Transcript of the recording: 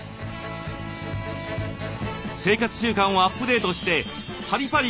生活習慣をアップデートしてパリパリ